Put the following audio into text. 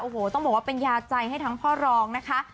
โอ้โหต้องบอกว่าเป็นยาใจให้ทั้งพ่อรองนะคะ